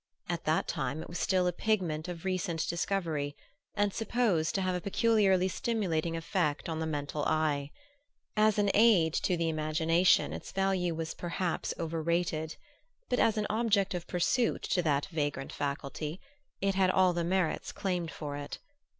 At that time it was still a pigment of recent discovery, and supposed to have a peculiarly stimulating effect on the mental eye. As an aid to the imagination its value was perhaps overrated; but as an object of pursuit to that vagrant faculty, it had all the merits claimed for it.